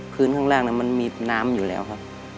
คืนข้างล่างมันมีน้ำอยู่แล้วครับ